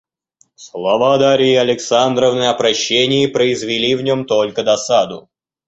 Слова Дарьи Александровны о прощении произвели в нем только досаду.